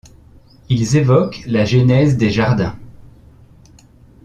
Ils évoquent la genèse des jardins...